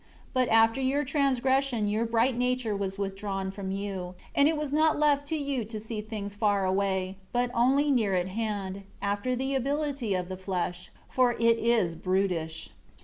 But after your transgression your bright nature was withdrawn from you; and it was not left to you to see things far away, but only near at hand; after the ability of the flesh; for it is brutish."